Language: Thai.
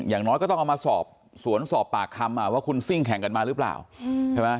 อย่างน้อยก็ต้องเอามาสอบสวนสอบปากคำว่าคุณซิ่งแข่งกันมาหรือเปล่าใช่ไหม